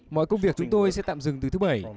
mọi công việc chúng tôi sẽ tạm dừng từ thứ bảy